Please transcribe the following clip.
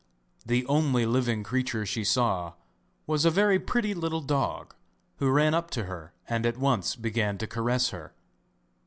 The only living creature she saw was a very pretty little dog, who ran up to her and at once began to caress her.